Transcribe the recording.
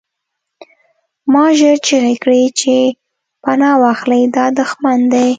ما ژر چیغې کړې چې پناه واخلئ دا دښمن دی